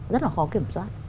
rất là khó kiểm soát